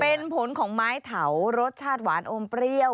เป็นผลของไม้เถารสชาติหวานอมเปรี้ยว